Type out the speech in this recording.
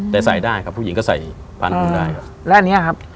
แต่ใส่ได้ครับผู้หญิงก็ใส่พานบุญได้แล้วอันนี้ครับ